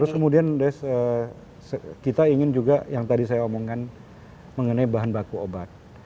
terus kemudian des kita ingin juga yang tadi saya omongkan mengenai bahan baku obat